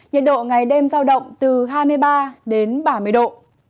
nhiệt độ ngày đêm giao động từ hai mươi ba đến ba mươi độ